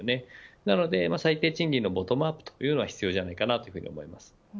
なので最低賃金のボトムアップは必要だと思います。